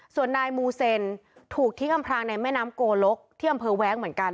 ส่วนนายมูเซนถูกทิ้งอำพรางในแม่น้ำโกลกที่อำเภอแว้งเหมือนกัน